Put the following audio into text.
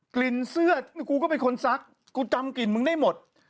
เสื้อกูก็เป็นคนซักกูจำกลิ่นมึงได้หมด